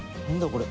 これ。